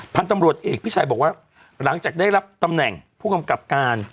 พันธุ์ตำรวจเอกพิชัยบอกว่าหลังจากได้รับตำแหน่งผู้กำกับการ